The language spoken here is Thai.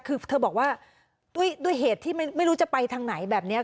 คือเธอบอกว่าด้วยเหตุที่ไม่รู้จะไปทางไหนแบบนี้